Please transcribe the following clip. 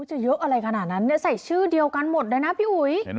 เยอะอะไรขนาดนั้นใส่ชื่อเดียวกันหมดเลยนะพี่อุ๋ย